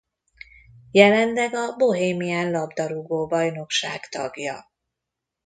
Jelenleg a Bohemian Labdarúgó-bajnokság tagja.